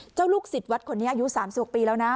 เจ้าลูกศิษย์วัดคนนี้อายุสามสิบหกปีแล้วนะ